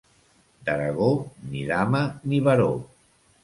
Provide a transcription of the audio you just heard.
D'Aragó, ni dama ni baró.